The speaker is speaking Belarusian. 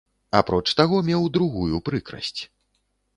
Апроч таго, меў другую прыкрасць.